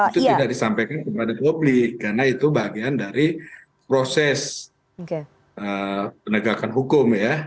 itu tidak disampaikan kepada publik karena itu bagian dari proses penegakan hukum ya